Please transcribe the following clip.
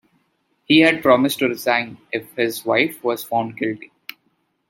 He had promised to resign if his wife was found guilty.